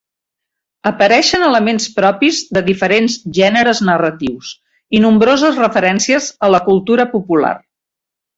Apareixen elements propis de diferents gèneres narratius, i nombroses referències a la cultura popular.